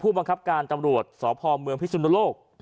ผู้บังคับการตำรวจสอบภอมเมืองพิสุนโลก